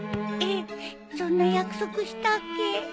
えっそんな約束したっけ？